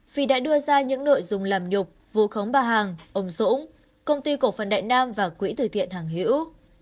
phi đã đưa ra những nội dung làm nhục vù khống bà hằng ông dũng công ty cổ phần đại nam và quỹ tử thiện hàng hữu